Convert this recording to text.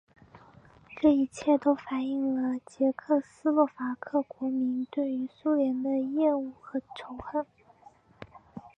这一切都反映了捷克斯洛伐克国民对于苏联的厌恶和仇恨。